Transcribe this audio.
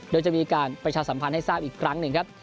โดยจะมีการประชาสัมพันธ์ให้ทราบอีกครั้งหนึ่งครับ